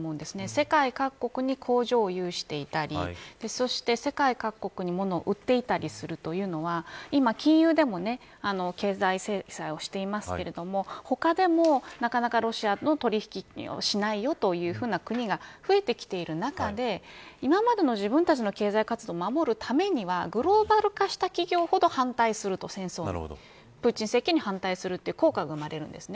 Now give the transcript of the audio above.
世界各国に工場を有していたりそして世界各国に物を売っていたりするというのは今、金融でも経済制裁をしていますけれども他でも、なかなかロシアと取引しないよという国が増えてきている中で今までの自分たちの経済活動を守るためにはグローバル化した企業ほど戦争に反対するプーチン政権に反対する効果が生まれるんです。